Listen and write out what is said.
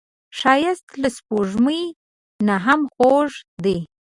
ښایست له سپوږمۍ نه هم خوږ دی